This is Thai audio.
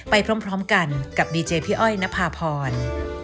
โปรดติดตามตอนต่อไป